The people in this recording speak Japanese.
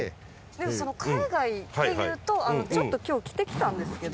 でもその海外っていうとちょっと今日着てきたんですけど。